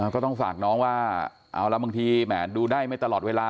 ก็ต้องฝากน้องว่าเอาละบางทีแหมดูได้ไม่ตลอดเวลา